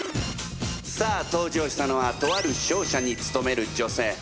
さあ登場したのはとある商社に勤める女性。